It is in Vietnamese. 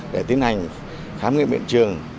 để tiến hành khám nghiệm hiện trường